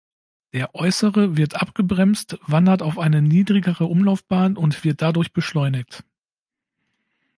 Der äußere wird abgebremst, wandert auf eine niedrigere Umlaufbahn und wird dadurch beschleunigt.